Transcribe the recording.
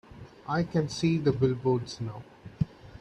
I can see the billboards now.